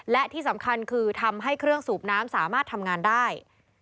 และที่สำคัญคือทำให้เครื่องสูบน้ำสามารถทำงานได้